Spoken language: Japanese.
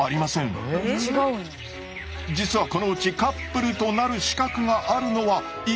実はこのうちカップルとなる資格があるのは１羽のボスだけ。